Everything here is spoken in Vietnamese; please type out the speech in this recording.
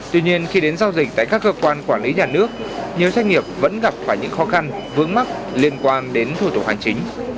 tuy nhiên khi đến giao dịch tại các cơ quan quản lý nhà nước nhiều doanh nghiệp vẫn gặp phải những khó khăn vướng mắc liên quan đến thủ tục hành chính